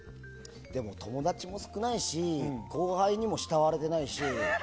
でも友達も少ないし後輩にも慕われてないし。